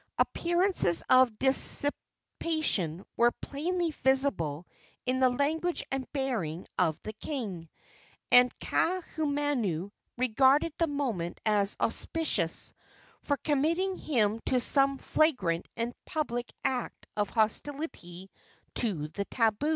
Appearances of dissipation were plainly visible in the language and bearing of the king, and Kaahumanu regarded the moment as auspicious for committing him to some flagrant and public act of hostility to the tabu.